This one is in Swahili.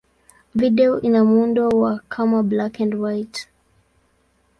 Video ina muundo wa kama black-and-white.